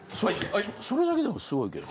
それだけでもすごいけど。